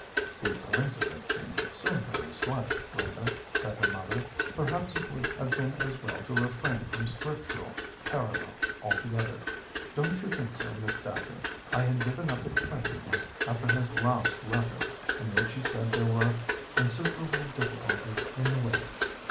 '" "The coincidence being so very slight, Linda," said her mother, "perhaps it would have been as well to refrain from Scriptural parallel altogether. Don't you think so, Miss Dacre? I had given up expecting him after his last letter, in which he said there were insuperable difficulties in the way."